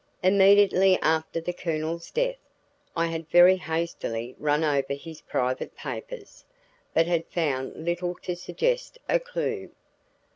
Immediately after the Colonel's death, I had very hastily run over his private papers, but had found little to suggest a clue.